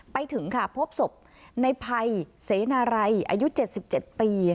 ไปถึงค่ะพบศพในภัยเสนารัยอายุ๗๗ปี